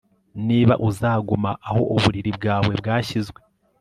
Niba uzaguma aho uburiri bwawe bwashyizwe